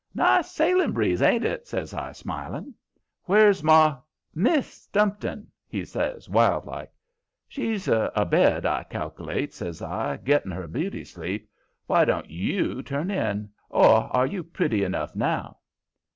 "Nice sailing breeze, ain't it?" says I, smiling. "Where's Mau Miss Stumpton?" he says, wild like. "She's abed, I cal'late," says I, "getting her beauty sleep. Why don't YOU turn in? Or are you pretty enough now?"